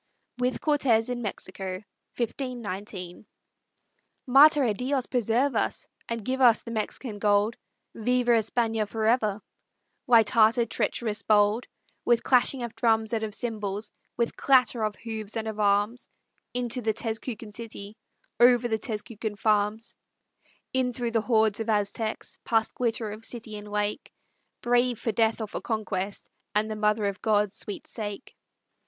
WITH CORTEZ IN MEXICO "Mater á Dios, preserve us And give us the Mexican gold, Viva España forever!" Light hearted, treacherous, bold, With clashing of drums and of cymbals, With clatter of hoofs and of arms, Into the Tezcucan city, Over the Tezcucan farms; In through the hordes of Aztecs, Past glitter of city and lake, Brave for death or for conquest, And the Mother of God's sweet sake.